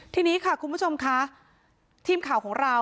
ทีนี้ค่ะคุณผู้ชมคะทีมข่าวของเรานมากแค่ได้ไปคุยกับแม่ของแฟนสาว